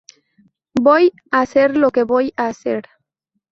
Voy hacer lo que voy a hacer.